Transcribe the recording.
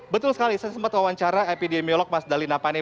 betul sekali saya sempat wawancara epidemiolog mas dalina pane